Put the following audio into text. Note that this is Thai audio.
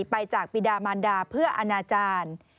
ไปจากปีดามันดาเพื่ออนาจารย์